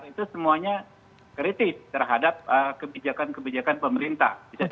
itu semuanya kritis terhadap kebijakan kebijakan pemerintah